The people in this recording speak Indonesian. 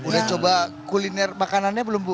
udah coba kuliner makanannya belum bu